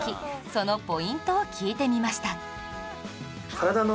そのポイントを聞いてみました